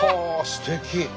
すてき！